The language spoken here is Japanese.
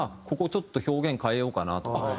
ここちょっと表現変えようかなとか。